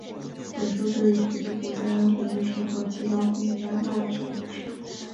本书对于普及国家安全教育和提高公民“大安全”意识